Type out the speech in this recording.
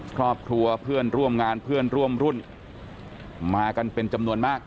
ครอบครัวเพื่อนร่วมงานเพื่อนร่วมรุ่นมากันเป็นจำนวนมาก